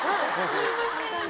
すいません。